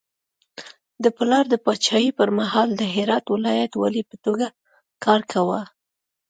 د پلار د پاچاهي پر مهال د هرات ولایت والي په توګه کار کاوه.